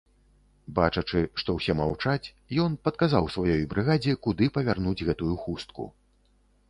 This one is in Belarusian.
Бачачы, што ўсе маўчаць, ён падказаў сваёй брыгадзе, куды павярнуць гэтую хустку.